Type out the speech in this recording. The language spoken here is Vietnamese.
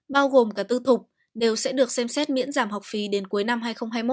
bao gồm cả tư thục đều sẽ được xem xét miễn giảm học phí đến cuối năm hai nghìn hai mươi một